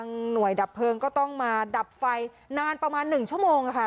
ทางหน่วยดับเพลิงก็ต้องมาดับไฟนานประมาณหนึ่งชั่วโมงนะคะ